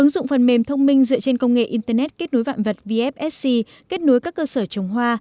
ứng dụng phần mềm thông minh dựa trên công nghệ internet kết nối vạn vật vfsc kết nối các cơ sở trồng hoa